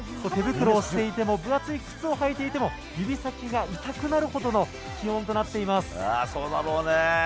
手袋をしていても分厚い靴を履いていても指先が痛くなるほどの気温となっています。